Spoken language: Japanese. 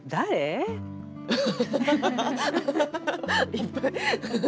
いっぱい。